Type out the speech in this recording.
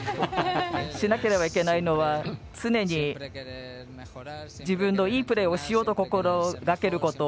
しなければいけないのは常に自分のいいプレーをしようと心がけること。